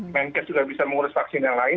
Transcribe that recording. menkes juga bisa mengurus vaksin yang lain